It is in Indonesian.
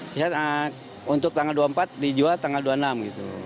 bisa untuk tanggal dua puluh empat dijual tanggal dua puluh enam gitu